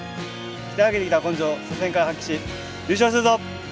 鍛え上げてきた根性を初戦から発揮し、優勝するぞ！